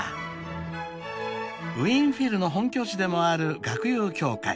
［ウィーン・フィルの本拠地でもある楽友協会］